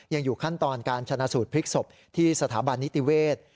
ยังอยู่ขั้นตอนการชนะสูตรพลิกศพที่สถาบันนิติเวศ